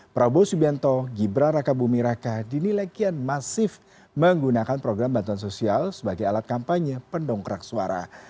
prabowo subianto gibra raka bumi raka dinilekian masif menggunakan program bantuan sosial sebagai alat kampanye pendongkrak suara